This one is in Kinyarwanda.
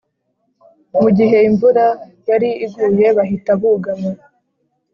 Mu gihe imvura yari iguye bahita bugama